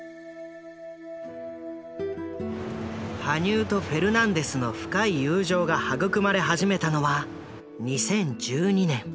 羽生とフェルナンデスの深い友情が育まれ始めたのは２０１２年。